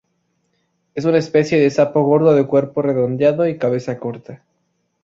Es una especie de sapo gordo de cuerpo redondeado y cabeza corta.